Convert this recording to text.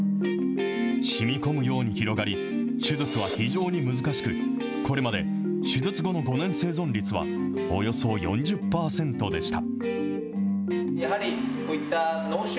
しみこむように広がり、手術は非常に難しく、これまで、手術後の５年生存率はおよそ４０％でした。